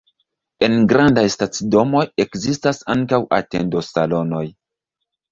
En grandaj stacidomoj ekzistas ankaŭ atendo-salonoj.